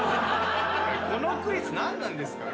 このクイズ何なんですか？